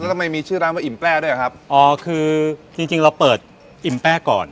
ทำไมมีชื่อร้านว่าอิ่มแป้ด้วยอะครับอ๋อคือจริงจริงเราเปิดอิ่มแป้ก่อน